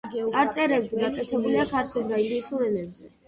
წარწერები გაკეთებულია ქართულ და ინგლისურ ენაზე.